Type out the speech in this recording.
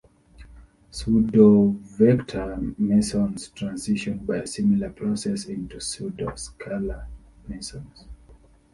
Pseudovector mesons transition by a similar process into pseudoscalar mesons.